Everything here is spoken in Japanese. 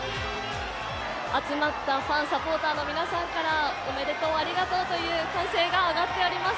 集まったファン、サポーターの皆さんからおめでとう、ありがとうという歓声が上がっております。